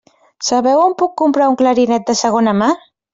Sabeu on puc comprar un clarinet de segona mà?